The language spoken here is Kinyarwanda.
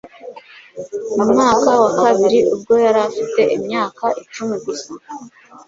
mu mwaka wa bibiri ubwo yari afite imyaka icumi gusa